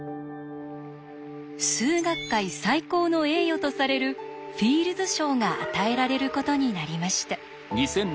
数学界最高の栄誉とされるフィールズ賞が与えられることになりました。